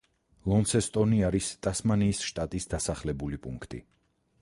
ლონსესტონი არის ტასმანიის შტატის დასახლებული პუნქტი.